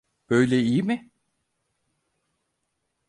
Böyle iyi mi?